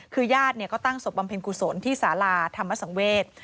คือญาติก็ตั้งศพบำเพ็ญกุศลที่สาราธรรมสังเวศ